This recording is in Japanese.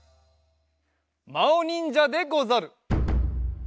まおにんじゃでござる。